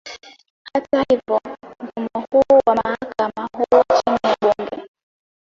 Hata hivyo, mfumo huo wa mahakama huwa chini ya bunge.